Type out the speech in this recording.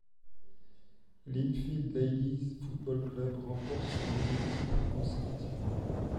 Linfield Ladies Football Club remporte son deuxième titre consécutivement.